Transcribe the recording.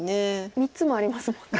３つもありますもんね。